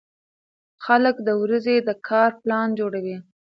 خلک د ورځې د کار پلان جوړوي